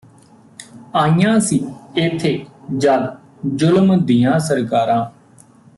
ਆਈਆਂ ਸੀ ਜਦ ਏਥੇ ਜ਼ੁਲਮ ਦੀਆਂ ਸਰਕਾਰਾਂ